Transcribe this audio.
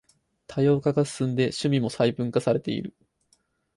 多様化が進んで趣味も細分化されてる